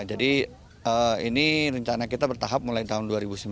jadi ini rencana kita bertahap mulai tahun dua ribu sembilan belas